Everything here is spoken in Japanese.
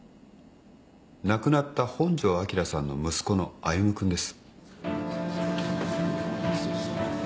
亡くなった本庄昭さんの息子の歩君です。